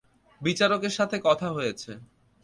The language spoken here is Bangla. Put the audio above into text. বিচারকের সাথে কথা হয়েছে।